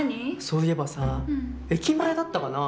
そいえばさ駅前だったかな？